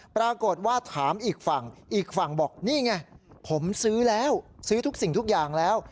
ปรากฏว่าถามอีกฝั่งอีกฝั่งบอกนี่ไงผมซื้อแล้วซื้อทุกสิ่งทุกอย่างแล้ว